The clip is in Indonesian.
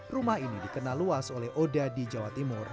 rumah ini dikenal luas oleh oda di jawa timur